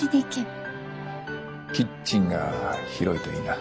キッチンが広いといいな。